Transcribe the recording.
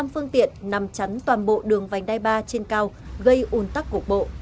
năm phương tiện nằm chắn toàn bộ đường vành đai ba trên cao gây ủn tắc cục bộ